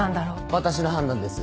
私の判断です